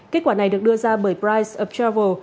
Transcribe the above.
kết quả này được đưa ra bởi price of travel